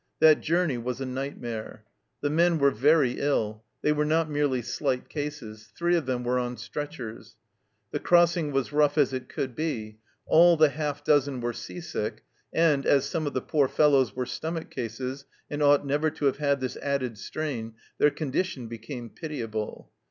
That journey was a night mare. The men were very ill they were not merely slight cases ; three of them were on stretchers. The crossing was rough as it could be ; all the half dozen were sea sick, and, as some of the poor fellows were stomach cases, and ought never to have had this added strain, their condition became pitiable.